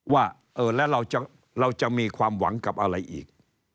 ว่าแล้วเราจะมีความหวังกับอะไรอีก